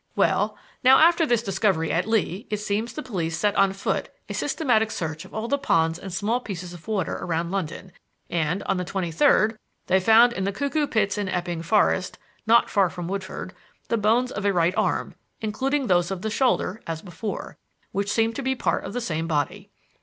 Well, now, after this discovery at Lee it seems that the police set on foot a systematic search of all the ponds and small pieces of water around London, and, on the twenty third, they found in the Cuckoo Pits in Epping Forest, not far from Woodford, the bones of a right arm (including those of the shoulder, as before), which seem to be part of the same body."